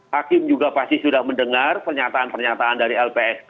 hakim juga pasti sudah mendengar pernyataan pernyataan dari lpsk